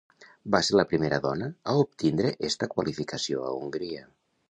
Va ser la primera dona a obtindre esta qualificació a Hongria.